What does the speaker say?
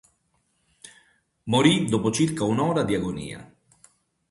Morì dopo circa un'ora di agonia.